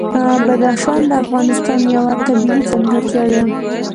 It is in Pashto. بدخشان د افغانستان یوه طبیعي ځانګړتیا ده.